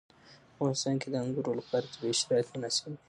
په افغانستان کې د انګورو لپاره طبیعي شرایط مناسب دي.